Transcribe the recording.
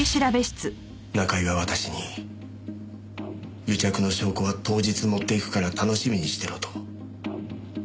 中居が私に癒着の証拠は当日持っていくから楽しみにしてろと。